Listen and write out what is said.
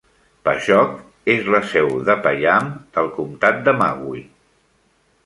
Pajok és la seu de Payam del comtat de Magwi.